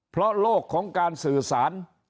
เพราะโลกของการสื่อสาร